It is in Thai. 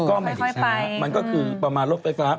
อือค่อยไปมันก็คือประมาณรถไฟฟ้า